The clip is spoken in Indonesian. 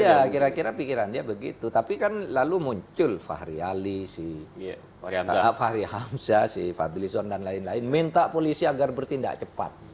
iya kira kira pikiran dia begitu tapi kan lalu muncul fahri ali si fahri hamzah si fadlison dan lain lain minta polisi agar bertindak cepat